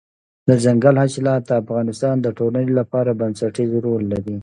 دځنګل حاصلات د افغانستان د ټولنې لپاره بنسټيز رول لري.